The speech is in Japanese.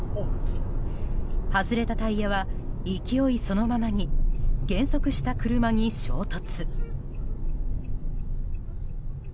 外れたタイヤは勢いそのままに減速した車に衝突。